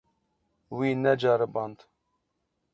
Wî neceriband.